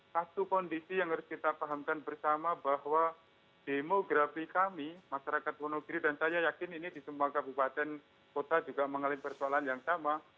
satu kondisi yang harus kita pahamkan bersama bahwa demografi kami masyarakat wonogiri dan saya yakin ini di semua kabupaten kota juga mengalami persoalan yang sama